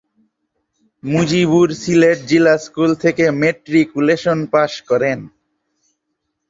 মুজিবুর সিলেট জিলা স্কুল থেকে matriculation pass করেন।